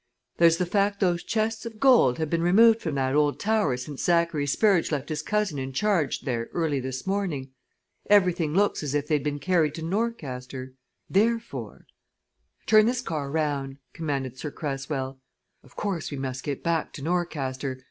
There's the fact, those chests of gold have been removed from that old tower since Zachary Spurge left his cousin in charge there early this morning. Everything looks as if they'd been carried to Norcaster. Therefore " "Turn this car round," commanded Sir Cresswell. "Of course, we must get back to Norcaster.